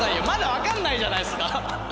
まだわかんないじゃないですか！